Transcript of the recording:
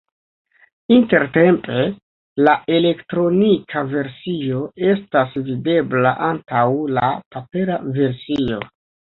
Intertempe la elektronika versio estas videbla antaŭ la papera versio.